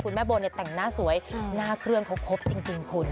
แม่โบเนี่ยแต่งหน้าสวยหน้าเครื่องเขาครบจริงคุณ